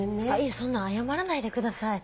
そんな謝らないでください。